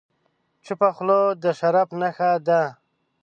چپه خوله، د شرف نښه ده.